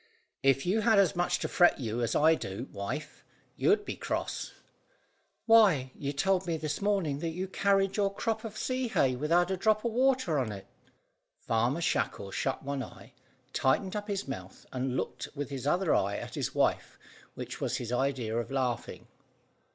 "If you had as much to fret you as I do, wife, you'd be cross." "Why, you told me this morning that you carried your crop of sea hay without a drop of water on it." Farmer Shackle shut one eye, tightened up his mouth, and looked with his other eye at his wife, which was his idea of laughing.